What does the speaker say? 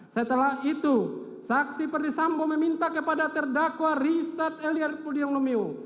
setelah itu saksi perdisambo meminta kepada terdakwa richard eliar pudium lumiu